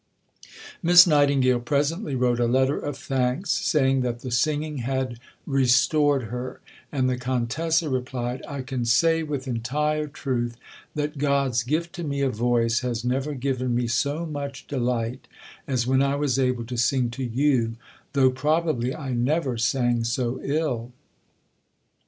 Miss Nightingale presently wrote a letter of thanks, saying that the singing had "restored" her, and the Contessa replied: "I can say with entire truth that God's gift to me of voice has never given me so much delight as when I was able to sing to you, tho' probably I never sang so ill."